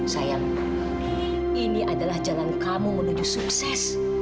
sayang ini adalah jalan kamu menuju sukses